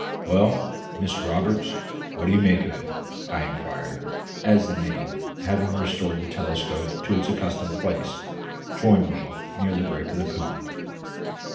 "Well, Mr Roberts, what do you make of it?" I inquired, as the mate, having restored the telescope it its accustomed place, joined me near the break of the poop.